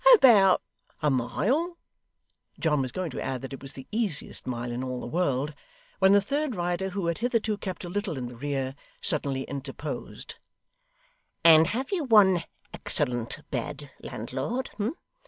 'About a mile' John was going to add that it was the easiest mile in all the world, when the third rider, who had hitherto kept a little in the rear, suddenly interposed: 'And have you one excellent bed, landlord?